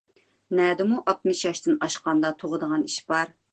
نەدىمۇ ئاتمىش ياشتىن ئاشقاندا تۇغىدىغان ئىش بار؟